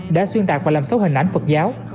đã xuyên tạc và làm xấu hình ảnh phật giáo